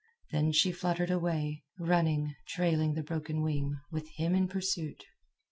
Then she fluttered away, running, trailing the broken wing, with him in pursuit.